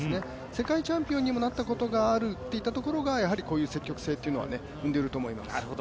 世界チャンピオンにもなったことがあるっていったところがこういう積極性を生んでいるんだと思います。